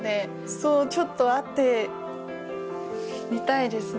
そうちょっと会ってみたいですね。